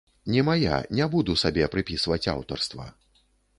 Не мая, не буду сабе прыпісваць аўтарства.